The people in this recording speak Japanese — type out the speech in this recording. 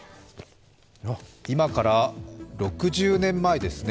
今から６０年前ですね。